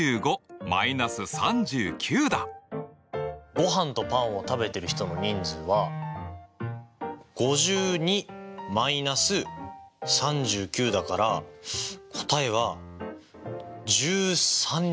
ごはんとパンを食べてる人の人数は５２−３９だから答えは１３人。